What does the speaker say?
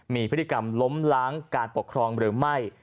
มีพฤติกรรมล้มล้างการปกครองหรือไม่